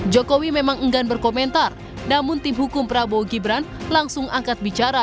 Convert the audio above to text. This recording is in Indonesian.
jokowi memang enggan berkomentar namun tim hukum prabowo gibran langsung angkat bicara